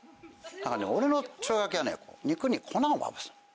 だからね俺の生姜焼きはね肉に粉をまぶす。